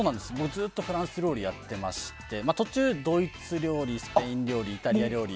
ずっとフランス料理をやっていまして途中、ドイツ料理スペイン料理、イタリア料理。